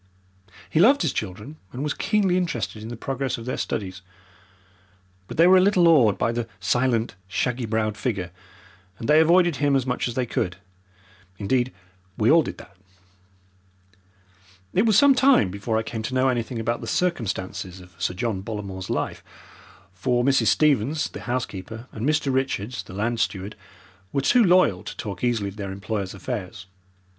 He loved his children, and was keenly interested in the progress of their studies, but they were a little awed by the silent, shaggy browed figure, and they avoided him as much as they could. Indeed, we all did that. It was some time before I came to know anything about the circumstances of Sir John Bollamore's life, for Mrs. Stevens, the housekeeper, and Mr. Richards, the land steward, were too loyal to talk easily of their employer's affairs.